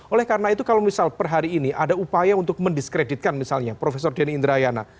oleh karena itu kalau misal per hari ini ada upaya untuk mendiskreditkan misalnya profesor denny indrayana